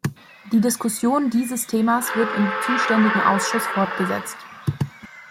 Die Diskussion dieses Themas wird im zuständigen Ausschuss fortgesetzt.